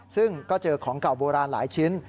ซึ่งก็เจอของเก่าโบราณหลายชิ้น